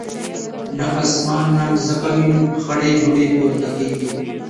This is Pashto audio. نه اسمان نه مځکه وینم خړي دوړي پورته کیږي